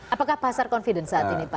apakah pasar confident saat ini pak